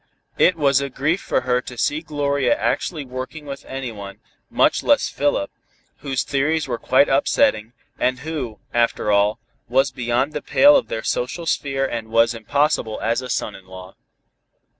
It was a grief for her to see Gloria actually working with anyone, much less Philip, whose theories were quite upsetting, and who, after all, was beyond the pale of their social sphere and was impossible as a son in law.